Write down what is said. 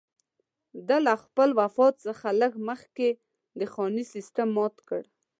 ده له خپل وفات څخه لږ مخکې د خاني سېسټم مات کړ.